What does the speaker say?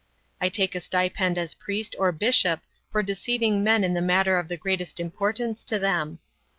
I take a stipend as priest or bishop for deceiving men in the matter of the greatest importance to them.